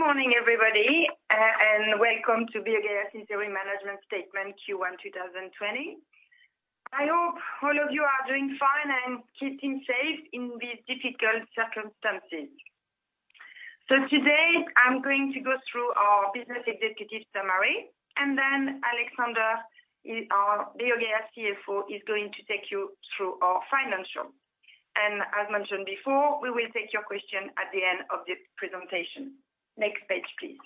Good morning, everybody, and welcome to BioGaia featuring Management Statement Q1 2020. I hope all of you are doing fine and keeping safe in these difficult circumstances. So today, I'm going to go through our business executive summary, and then Alexander, our BioGaia CFO, is going to take you through our financials. And as mentioned before, we will take your questions at the end of the presentation. Next page, please.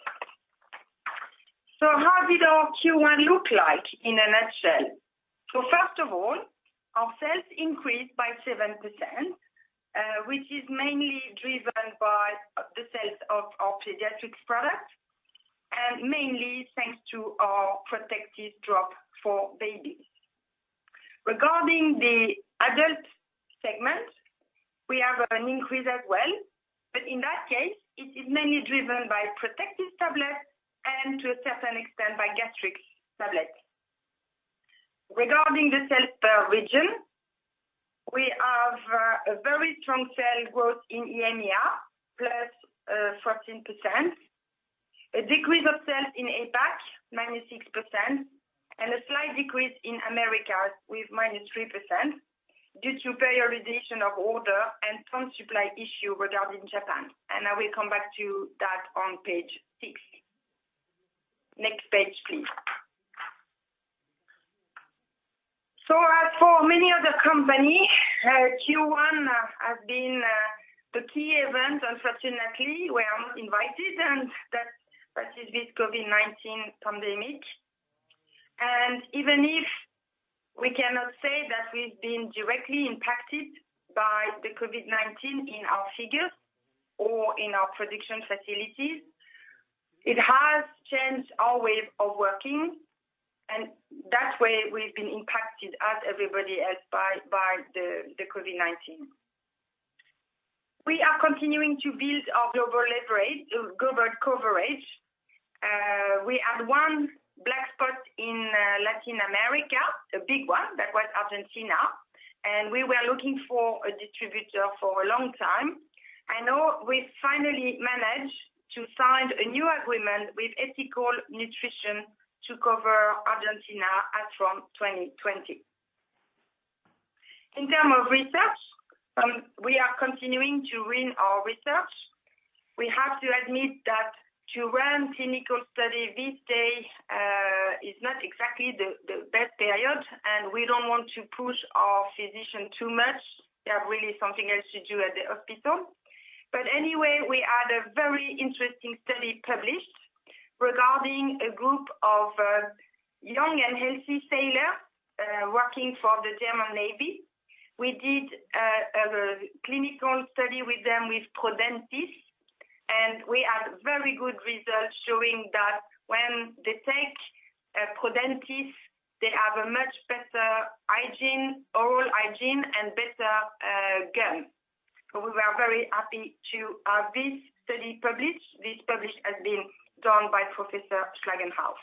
So how did our Q1 look like in a nutshell? So first of all, our sales increased by 7%, which is mainly driven by the sales of our pediatric products, and mainly thanks to our Protectis drop for babies. Regarding the adult segment, we have an increase as well, but in that case, it is mainly driven by Protectis tablets and, to a certain extent, by Gastrus tablets. Regarding the sales per region, we have a very strong sales growth in EMEA, +14%, a decrease of sales in APAC, -6%, and a slight decrease in Americas with -3% due to periodization of orders and supply issues regarding Japan. And I will come back to that on page six. Next page, please. So as for many other companies, Q1 has been the key event, unfortunately, where I'm invited, and that is with the COVID-19 pandemic. And even if we cannot say that we've been directly impacted by the COVID-19 in our figures or in our production facilities, it has changed our way of working, and that way, we've been impacted, as everybody else, by the COVID-19. We are continuing to build our global coverage. We had one black spot in Latin America, a big one. That was Argentina. We were looking for a distributor for a long time. I know we finally managed to sign a new agreement with Ethical Nutrition to cover Argentina as from 2020. In terms of research, we are continuing with our research. We have to admit that to run clinical studies these days is not exactly the best period, and we don't want to push our physicians too much. They have really something else to do at the hospital. Anyway, we had a very interesting study published regarding a group of young and healthy sailors working for the German Navy. We did a clinical study with them with Prodentis, and we had very good results showing that when they take Prodentis, they have much better hygiene, oral hygiene, and better gums. We were very happy to have this study published. This study has been done by Professor Schlagenhauf.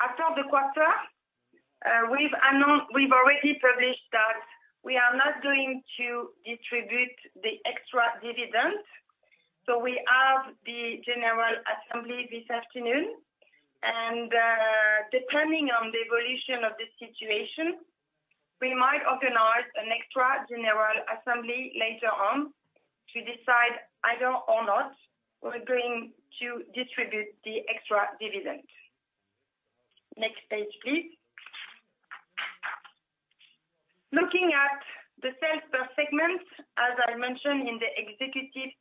After the quarter, we've already published that we are not going to distribute the extra dividend. So we have the General Assembly this afternoon. And depending on the evolution of the situation, we might organize an extra general assembly later on to decide whether or not we're going to distribute the extra dividend. Next page, please. Looking at the sales per segment, as I mentioned in the executive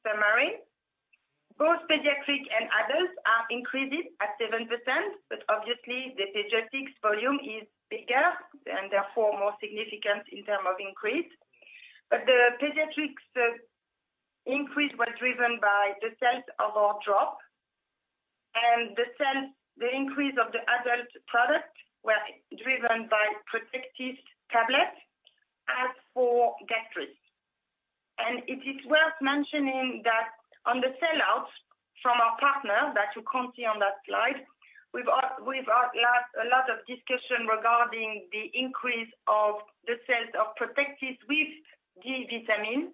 summary, both pediatric and adults are increasing at 7%, but obviously, the pediatrics volume is bigger and therefore more significant in terms of increase. But the pediatrics increase was driven by the sales of our drop, and the sales increase of the adult products was driven by Protectis tablets as for Gastrus. It is worth mentioning that on the sellout from our partner, that you can't see on that slide, we've had a lot of discussion regarding the increase of the sales of Protectis with vitamin D.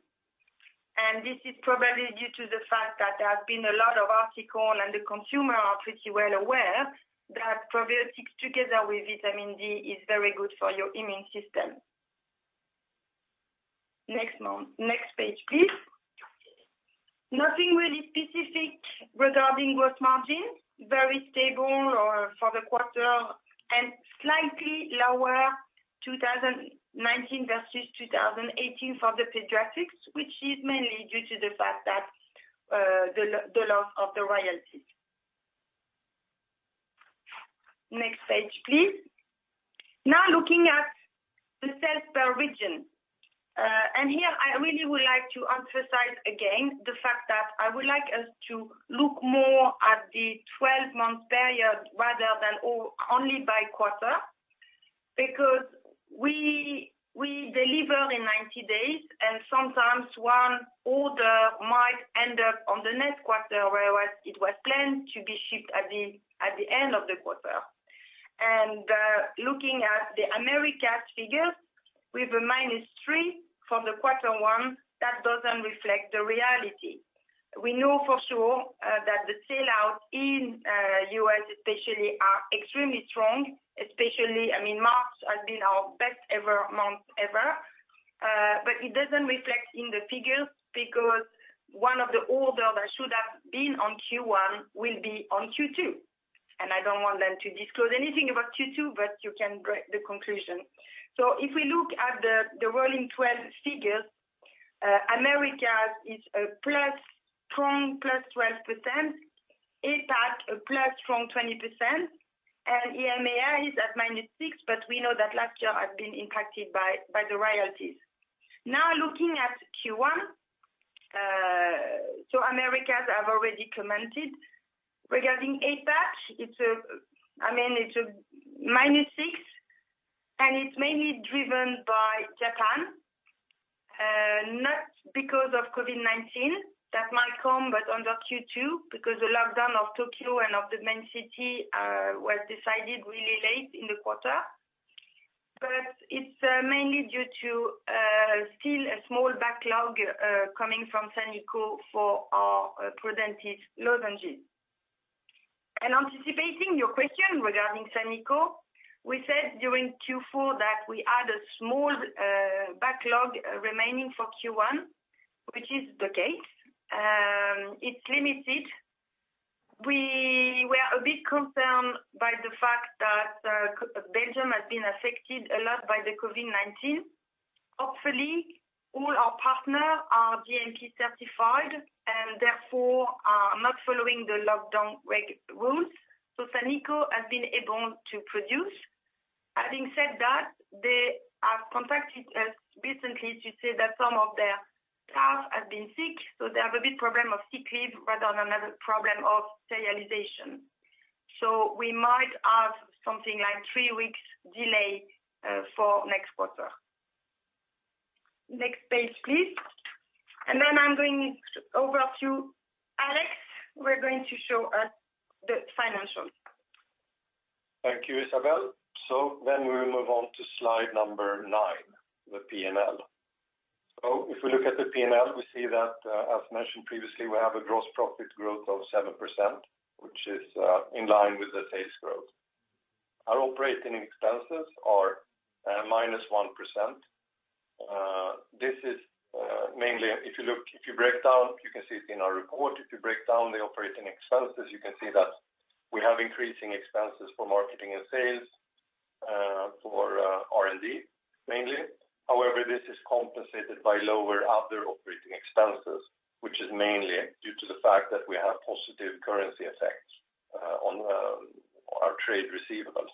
This is probably due to the fact that there have been a lot of articles, and the consumers are pretty well aware that probiotics together with vitamin D are very good for your immune system. Next page, please. Nothing really specific regarding gross margin. Very stable for the quarter, and slightly lower 2019 versus 2018 for the pediatrics, which is mainly due to the fact that the loss of the royalties. Next page, please. Now looking at the sales per region. Here, I really would like to emphasize again the fact that I would like us to look more at the 12-month period rather than only by quarter, because we deliver in 90 days, and sometimes one order might end up in the next quarter where it was planned to be shipped at the end of the quarter. Looking at the Americas figures, we have a minus three for quarter one. That doesn't reflect the reality. We know for sure that the sell-out in the U.S., especially, is extremely strong, especially I mean, March has been our best ever month ever. But it doesn't reflect in the figures because one of the orders that should have been on Q1 will be on Q2. I don't want them to disclose anything about Q2, but you can draw the conclusion. If we look at the Rolling 12 figures, Americas is a strong +12%, APAC a strong +20%, and EMEA is at -6%, but we know that last year has been impacted by the royalties. Now looking at Q1, so Americas I've already commented. Regarding APAC, I mean, it's a -6%, and it's mainly driven by Japan, not because of COVID-19 that might come, but under Q2, because the lockdown of Tokyo and of the main city was decided really late in the quarter. But it's mainly due to still a small backlog coming from Sanico for our Prodentis lozenges. And anticipating your question regarding Sanico, we said during Q4 that we had a small backlog remaining for Q1, which is the case. It's limited. We were a bit concerned by the fact that Belgium has been affected a lot by the COVID-19. Hopefully, all our partners are GMP certified and therefore are not following the lockdown rules. So Sanico has been able to produce. Having said that, they have contacted us recently to say that some of their staff have been sick, so they have a big problem of sick leave rather than a problem of serialization. So we might have something like a three-week delay for next quarter. Next page, please, and then I'm going over to Alex. We're going to show us the financials. Thank you, Isabelle. So then we will move on to slide number nine, the P&L. So if we look at the P&L, we see that, as mentioned previously, we have a gross profit growth of 7%, which is in line with the sales growth. Our operating expenses are -1%. This is mainly if you look, if you break down, you can see it in our report. If you break down the operating expenses, you can see that we have increasing expenses for marketing and sales for R&D, mainly. However, this is compensated by lower other operating expenses, which is mainly due to the fact that we have positive currency effects on our trade receivables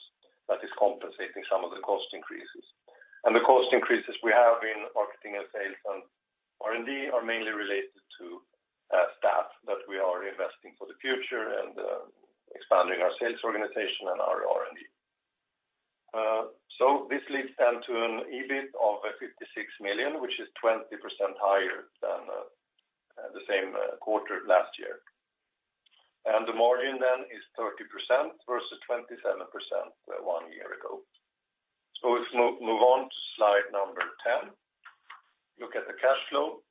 that is compensating some of the cost increases. And the cost increases we have in marketing and sales and R&D are mainly related to staff that we are investing for the future and expanding our sales organization and our R&D. So this leads then to an EBIT of 56 million, which is 20% higher than the same quarter last year. And the margin then is 30% versus 27% one year ago. So let's move on to slide number 10. Look at the cash flow.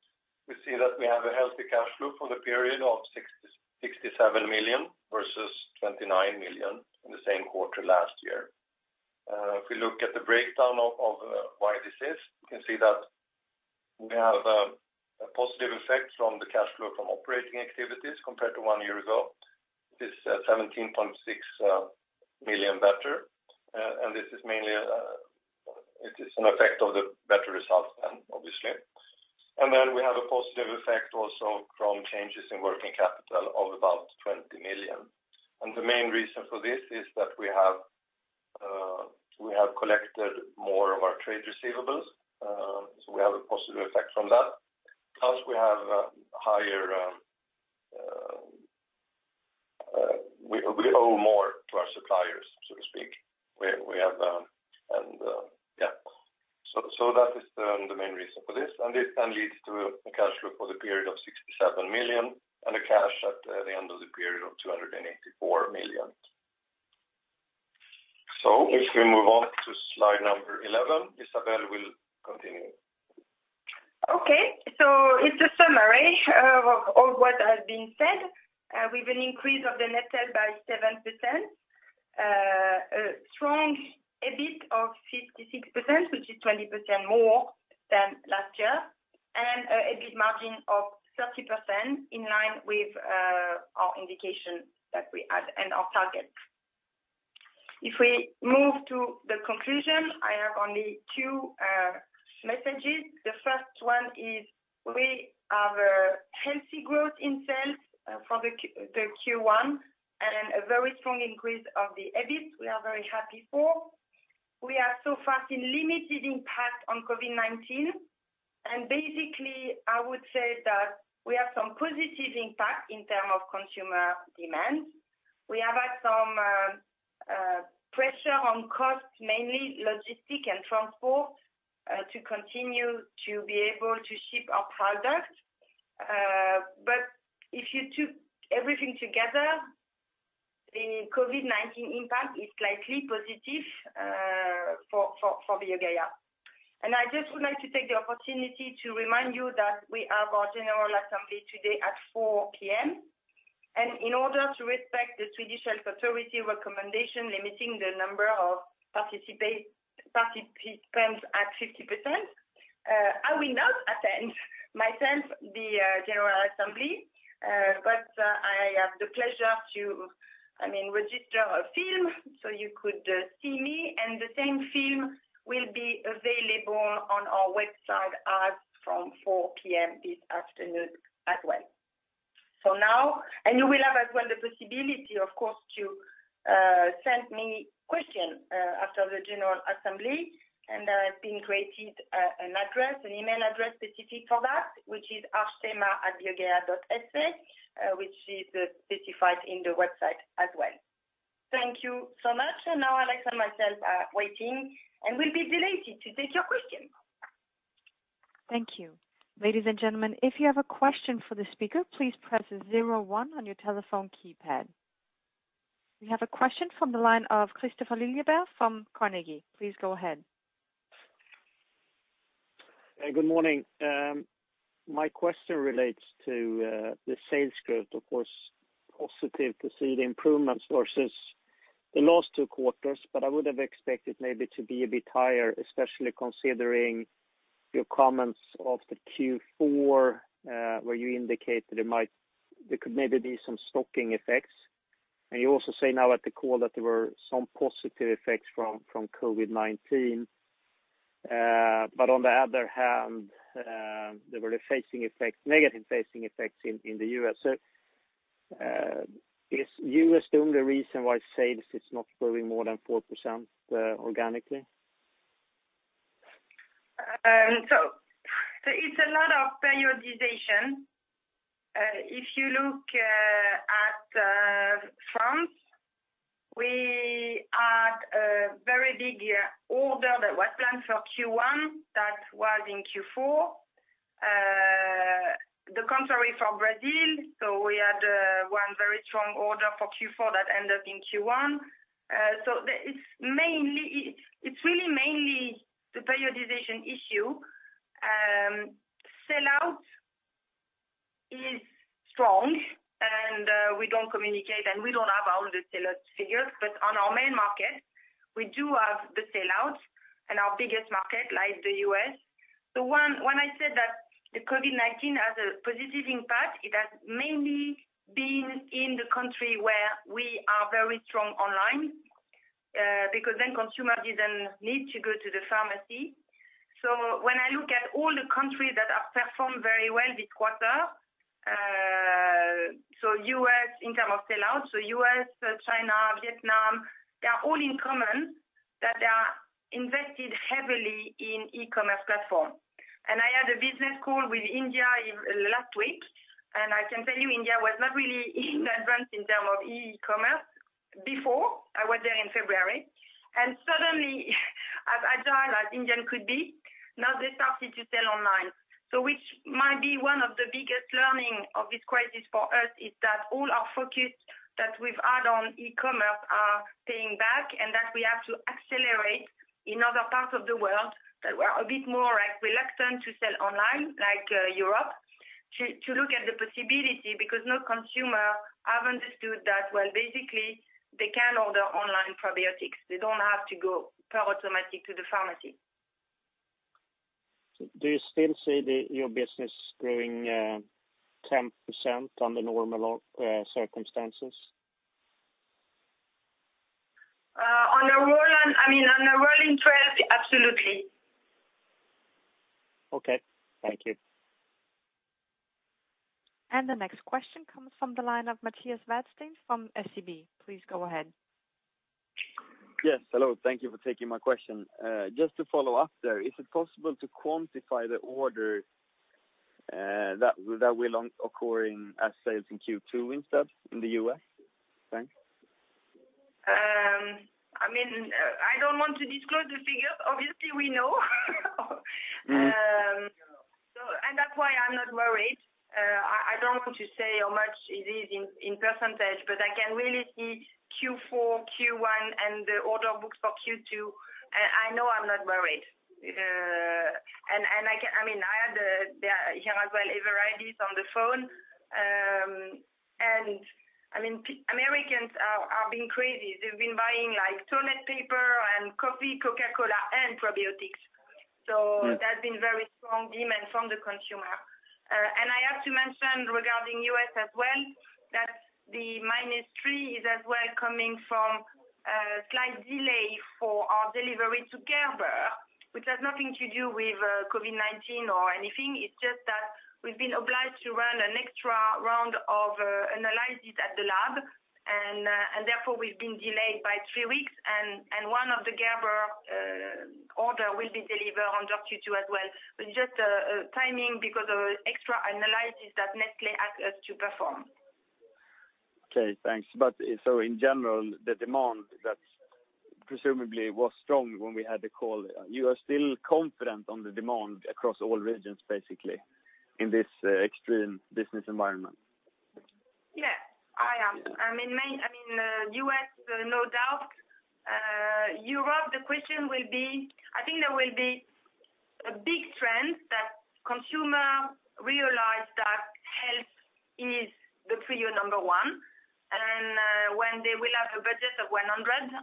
We see that we have a healthy cash flow for the period of 67 million versus 29 million in the same quarter last year. If we look at the breakdown of why this is, you can see that we have a positive effect from the cash flow from operating activities compared to one year ago. This is 17.6 million better, and this is mainly it is an effect of the better results then, obviously. And then we have a positive effect also from changes in working capital of about 20 million. And the main reason for this is that we have collected more of our trade receivables, so we have a positive effect from that. Plus, we have a higher we owe more to our suppliers, so to speak. And yeah. So that is the main reason for this. And this then leads to a cash flow for the period of 67 million and a cash at the end of the period of 284 million. So if we move on to slide number 11, Isabelle will continue. Okay, so it's a summary of what has been said. We have an increase of the net sales by 7%, a strong EBIT of 56%, which is 20% more than last year, and an EBIT margin of 30% in line with our indication that we had and our target. If we move to the conclusion, I have only two messages. The first one is we have a healthy growth in sales for the Q1 and a very strong increase of the EBIT we are very happy for. We are so far seeing limited impact on COVID-19, and basically, I would say that we have some positive impact in terms of consumer demand. We have had some pressure on costs, mainly logistics and transport, to continue to be able to ship our products, but if you took everything together, the COVID-19 impact is slightly positive for BioGaia. I just would like to take the opportunity to remind you that we have our General Assembly today at 4:00 P.M. In order to respect the Swedish Health Authority recommendation limiting the number of participants at 50%, I will not attend myself the General Assembly, but I have the pleasure to, I mean, record a film so you could see me. The same film will be available on our website as from 4:00 P.M. this afternoon as well. You will have as well the possibility, of course, to send me questions after the General Assembly. I have created an address, an email address specific for that, which is agm@biogaia.se, which is specified in the website as well. Thank you so much. Alex and myself are waiting, and we'll be delighted to take your questions. Thank you. Ladies and gentlemen, if you have a question for the speaker, please press zero, one on your telephone keypad. We have a question from the line of Kristofer Liljeberg from Carnegie. Please go ahead. Good morning. My question relates to the sales growth. Of course, positive to see the improvements versus the last two quarters, but I would have expected maybe to be a bit higher, especially considering your comments of the Q4 where you indicated there could maybe be some stocking effects. And you also say now at the call that there were some positive effects from COVID-19. But on the other hand, there were negative facing effects in the U.S. So is U.S. the only reason why sales is not growing more than 4% organically? It's a lot of periodization. If you look at France, we had a very big order that was planned for Q1 that was in Q4, the contrary for Brazil. We had one very strong order for Q4 that ended up in Q1. It's really mainly the periodization issue. Sellout is strong, and we don't communicate, and we don't have all the sellout figures. But on our main market, we do have the sellout and our biggest market, like the U.S. When I said that the COVID-19 has a positive impact, it has mainly been in the country where we are very strong online because then consumers didn't need to go to the pharmacy. Sohen I look at all the countries that have performed very well this quarter, so U.S. in terms of sell-out, so U.S., China, Vietnam, they are all in common that they are invested heavily in e-commerce platform. And I had a business call with India last week, and I can tell you India was not really in advance in terms of e-commerce before I was there in February. And suddenly, as agile as Indian could be, now they started to sell online. So, which might be one of the biggest learnings of this crisis for us is that all our focus that we've had on e-commerce are paying back and that we have to accelerate in other parts of the world that we're a bit more reluctant to sell online, like Europe, to look at the possibility because now consumers have understood that, well, basically, they can order online probiotics. They don't have to go automatically to the pharmacy. Do you still see your business growing 10% under normal circumstances? On the rolling 12, absolutely. Okay. Thank you. The next question comes from the line of Mattias Wadstein from SEB. Please go ahead. Yes. Hello. Thank you for taking my question. Just to follow up there, is it possible to quantify the order that will occurring as sales in Q2 instead in the U.S.? Thanks. I mean, I don't want to disclose the figures. Obviously, we know. And that's why I'm not worried. I don't want to say how much it is in percentage, but I can really see Q4, Q1, and the order books for Q2. I know I'm not worried. And I mean, I had here as well a variety on the phone. And I mean, Americans are being crazy. They've been buying toilet paper and coffee, Coca-Cola, and probiotics. So that's been very strong demand from the consumer. And I have to mention regarding U.S. as well that the -3 is as well coming from slight delay for our delivery to Gerber, which has nothing to do with COVID-19 or anything. It's just that we've been obliged to run an extra round of analysis at the lab, and therefore we've been delayed by three weeks. One of the Gerber orders will be delivered in just Q2 as well. It's just timing because of extra analysis that Nestlé asked us to perform. Okay. Thanks. But so in general, the demand that presumably was strong when we had the call, you are still confident on the demand across all regions, basically, in this extreme business environment? Yes, I am. I mean, U.S., no doubt. Europe, the question will be. I think there will be a big trend that consumers realize that health is the prior number one. And when they will have a budget of 100,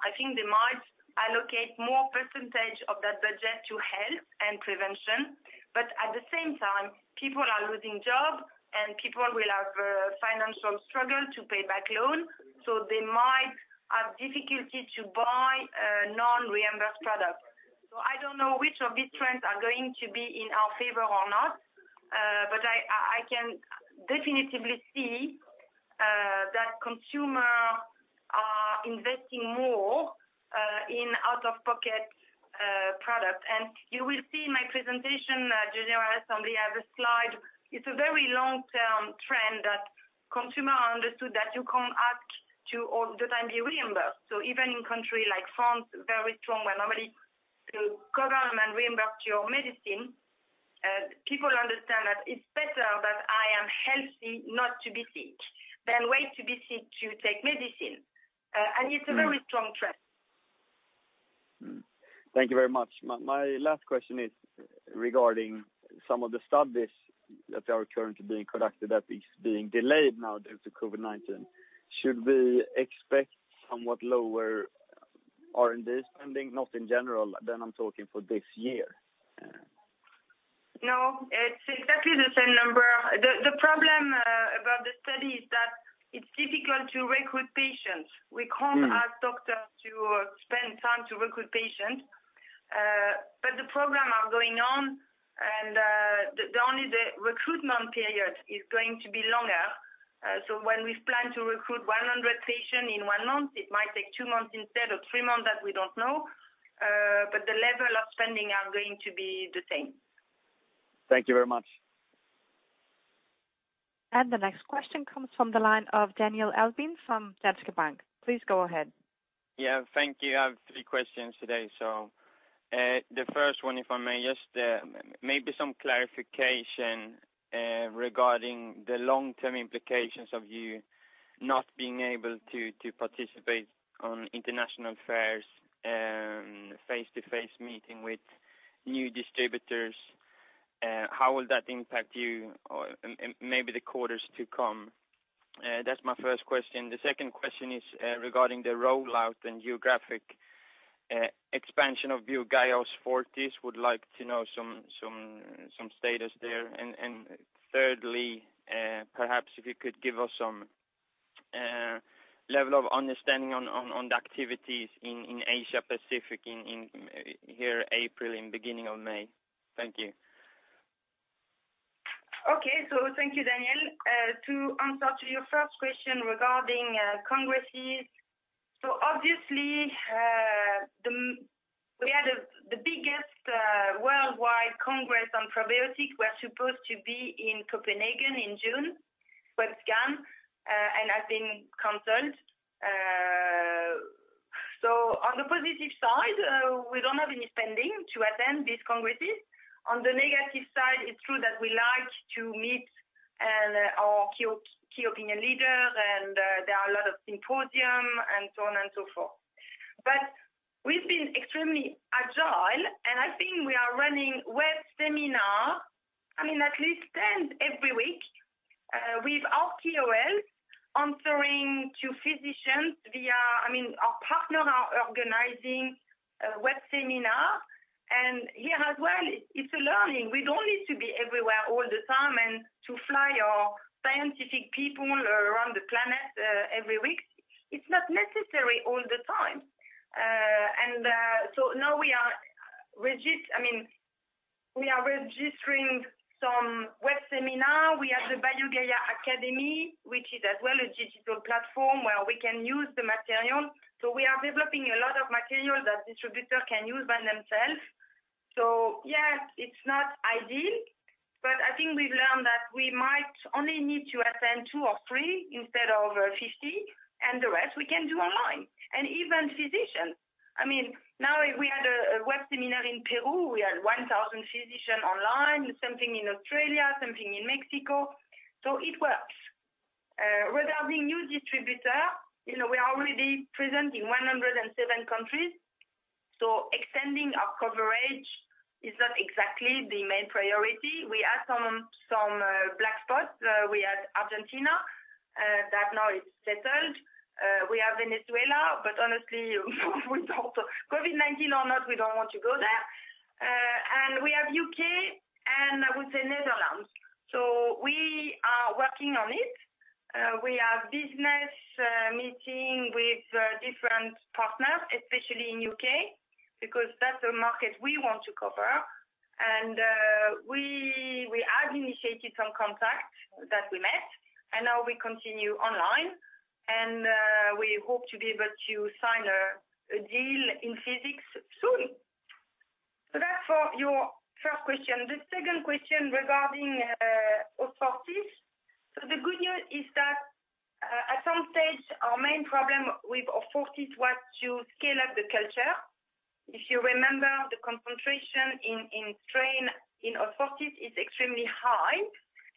I think they might allocate more percentage of that budget to health and prevention. But at the same time, people are losing jobs, and people will have financial struggle to pay back loans. So they might have difficulty to buy non-reimbursed products. So I don't know which of these trends are going to be in our favor or not, but I can definitively see that consumers are investing more in out-of-pocket products. And you will see in my presentation, General Assembly, I have a slide. It's a very long-term trend that consumers understood that you can't ask to all the time be reimbursed. Even in countries like France, very strong where normally the government reimbursed your medicine, people understand that it's better that I am healthy not to be sick than wait to be sick to take medicine. It's a very strong trend. Thank you very much. My last question is regarding some of the studies that are currently being conducted that is being delayed now due to COVID-19. Should we expect somewhat lower R&D spending, not in general, than I'm talking for this year? No. It's exactly the same number. The problem about the study is that it's difficult to recruit patients. We can't ask doctors to spend time to recruit patients. But the programs are going on, and the only recruitment period is going to be longer. So when we plan to recruit 100 patients in one month, it might take two months instead of three months that we don't know. But the level of spending is going to be the same. Thank you very much. The next question comes from the line of Daniel Albin from Danske Bank. Please go ahead. Yeah. Thank you. I have three questions today. So the first one, if I may, just maybe some clarification regarding the long-term implications of you not being able to participate on international fairs, face-to-face meeting with new distributors. How will that impact you maybe the quarters to come? That's my first question. The second question is regarding the rollout and geographic expansion of BioGaia Osfortis. Would like to know some status there. And thirdly, perhaps if you could give us some level of understanding on the activities in Asia-Pacific here April and beginning of May. Thank you. Okay. So thank you, Daniel. To answer to your first question regarding congresses, so obviously, we had the biggest worldwide congress on probiotics. We're supposed to be in Copenhagen in June. The webinar has been canceled. So on the positive side, we don't have any spending to attend these congresses. On the negative side, it's true that we like to meet our key opinion leaders, and there are a lot of symposia and so on and so forth. But we've been extremely agile, and I think we are running web seminars, I mean, at least 10 every week with our KOLs answering to physicians via, I mean, our partners are organizing web seminars. And here as well, it's a learning. We don't need to be everywhere all the time and to fly our scientific people around the planet every week. It's not necessary all the time. And so now we are, I mean, we are registering some web seminars. We have the BioGaia Academy, which is as well a digital platform where we can use the material. So we are developing a lot of material that distributors can use by themselves. So yeah, it's not ideal, but I think we've learned that we might only need to attend two or three instead of 50, and the rest we can do online. And even physicians. I mean, now we had a web seminar in Peru. We had 1,000 physicians online, something in Australia, something in Mexico. So it works. Regarding new distributors, we are already present in 107 countries. So extending our coverage is not exactly the main priority. We had some black spots. We had Argentina that now it's settled. We have Venezuela, but honestly, COVID-19 or not, we don't want to go there. And we have U.K. and I would say Netherlands. So we are working on it. We have business meetings with different partners, especially in U.K., because that's a market we want to cover. And we have initiated some contacts that we met, and now we continue online. And we hope to be able to sign a deal physically soon. So that's for your first question. The second question regarding L. reuteri. So the good news is that at some stage, our main problem with L. reuteri was to scale up the culture. If you remember, the concentration of the strain L. reuteri is extremely high,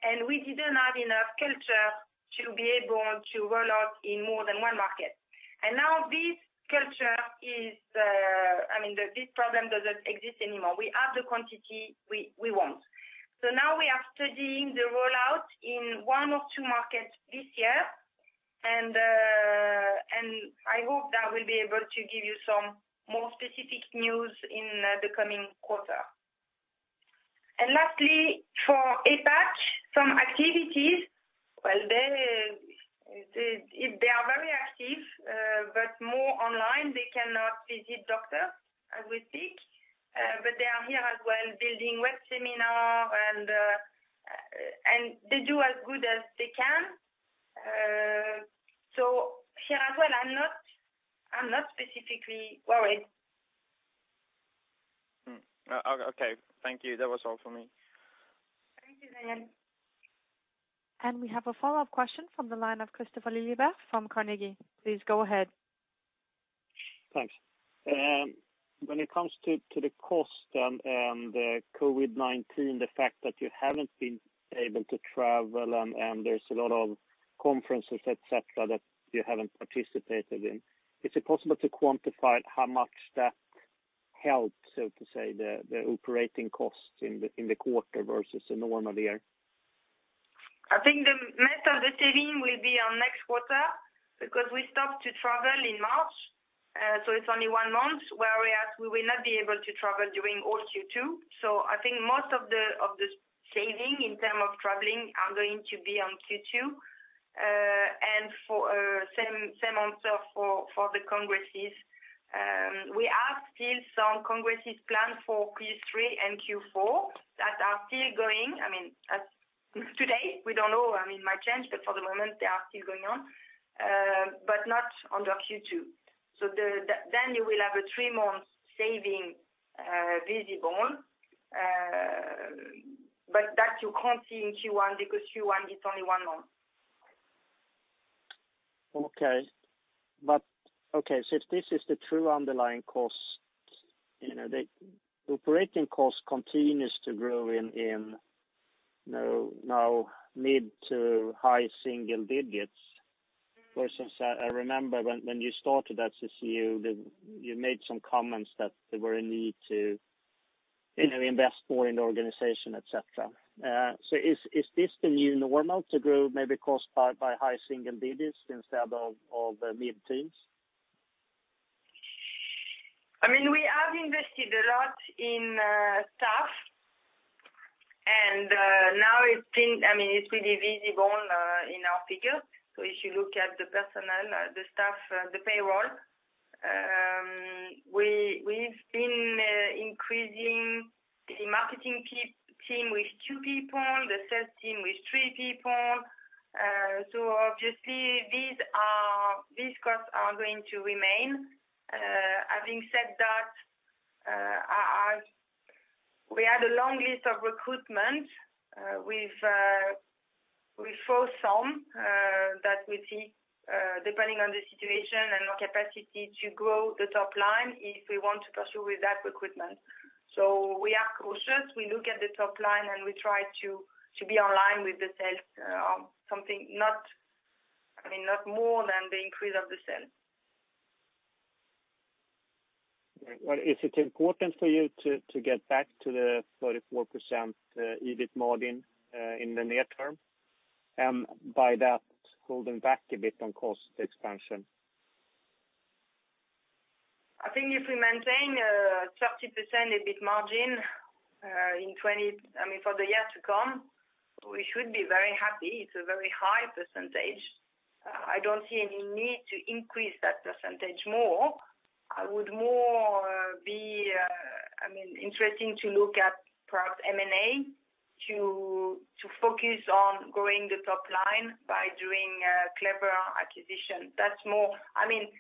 and we didn't have enough culture to be able to roll out in more than one market. And now this culture is, I mean, this problem doesn't exist anymore. We have the quantity we want. So now we are studying the rollout in one or two markets this year, and I hope that we'll be able to give you some more specific news in the coming quarter. And lastly, for APAC, some activities, well, they are very active, but more online. They cannot visit doctors as we speak. But they are here as well building web seminars, and they do as good as they can. So here as well, I'm not specifically worried. Okay. Thank you. That was all for me. Thank you, Daniel. We have a follow-up question from the line of Kristofer Liljeberg from Carnegie. Please go ahead. Thanks. When it comes to the cost and the COVID-19, the fact that you haven't been able to travel and there's a lot of conferences, etc., that you haven't participated in, is it possible to quantify how much that helps, so to say, the operating costs in the quarter versus a normal year? I think the most of the saving will be on next quarter because we stopped to travel in March, so it's only one month, whereas we will not be able to travel during all Q2. So I think most of the saving in terms of traveling are going to be on Q2, and same answer for the congresses. We have still some congresses planned for Q3 and Q4 that are still going. I mean, today, we don't know. I mean, it might change, but for the moment, they are still going on, but not under Q2. So then you will have a three-month saving visible, but that you can't see in Q1 because Q1 is only one month. So if this is the true underlying cost, the operating cost continues to grow in now mid to high-single-digits. For instance, I remember when you started at as CEO, you made some comments that there were a need to invest more in the organization, etc. So is this the new normal to grow maybe cost by high-single-digits instead of mid-teens? I mean, we have invested a lot in staff, and now it's been, I mean, it's really visible in our figures. So if you look at the personnel, the staff, the payroll, we've been increasing the marketing team with two people, the sales team with three people. So obviously, these costs are going to remain. Having said that, we had a long list of recruitments. We foresaw that we'd see, depending on the situation and our capacity to grow the top line if we want to pursue with that recruitment. So we are cautious. We look at the top line and we try to be online with the sales, something not, I mean, not more than the increase of the sales. Is it important for you to get back to the 34% EBIT margin in the near term by that holding back a bit on cost expansion? I think if we maintain a 30% EBIT margin in 2020, I mean, for the year to come, we should be very happy. It's a very high percentage. I don't see any need to increase that percentage more. I would more be, I mean, interesting to look at perhaps M&A to focus on growing the top line by doing clever acquisition. That's more, I mean,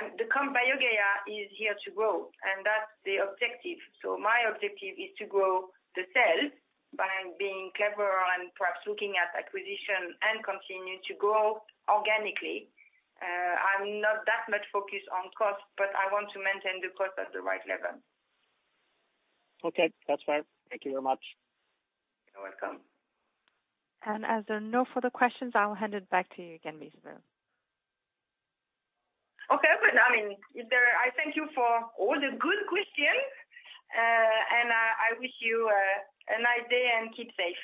BioGaia is here to grow, and that's the objective. So my objective is to grow the sales by being clever and perhaps looking at acquisition and continuing to grow organically. I'm not that much focused on cost, but I want to maintain the cost at the right level. Okay. That's fine. Thank you very much. You're welcome. As there are no further questions, I'll hand it back to you again, Isabelle. Okay. But I mean, I thank you for all the good questions, and I wish you a nice day and keep safe.